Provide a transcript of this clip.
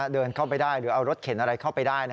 เดินเข้าไปได้หรือเอารถเข็นอะไรเข้าไปได้